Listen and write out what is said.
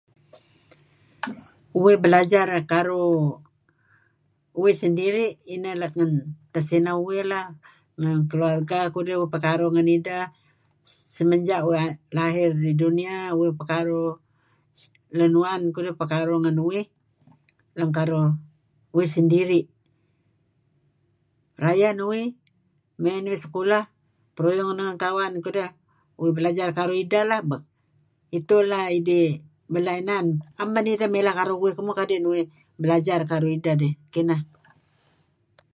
Uih blajar karuh uih sendiri' ineh lat ngen tesineh uih sendiri, lat ngn keluarga kudi nekaruh ngen idah semenja' uih lahir di dunia uih pekaruh ngen lunuwan kudih nekaruh ngen uih lem karuh uih sendiri'. Rayh nuih may nuih sekolah peruyung neh ngen kawang kudih uh belajar karuh ideh lah itu lah idih mula' ina. Am man ideh uih kadi' nah ioh belajar karuh idah dih. Kineh.